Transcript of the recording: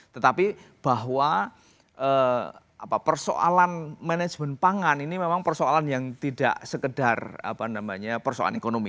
tetapi bahwa persoalan manajemen pangan ini memang persoalan yang tidak sekedar persoalan ekonomi